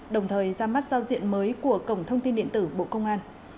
đồng thời ra mắt giao diện mới của cổng thông tin điện tử bộ công an